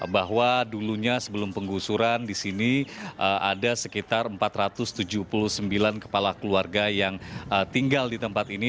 bahwa dulunya sebelum penggusuran di sini ada sekitar empat ratus tujuh puluh sembilan kepala keluarga yang tinggal di tempat ini